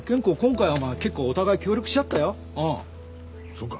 そうか。